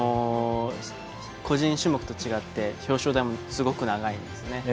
個人種目と違って表彰台もすごく長いんですね。